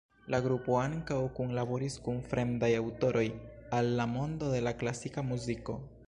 La grupo ankaŭ kunlaboris kun fremdaj aŭtoroj al la mondo de la klasika muziko.